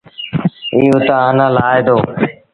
ايٚ اُت آنآ لآهي دو۔